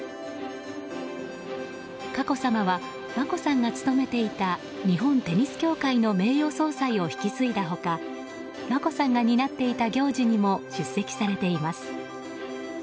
佳子さまは眞子さんが勤めていた日本テニス協会の名誉総裁を引き継いだ他眞子さんが担っていた行事にも出席されています。